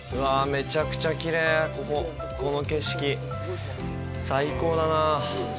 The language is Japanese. めちゃくちゃきれいこここの景色最高だな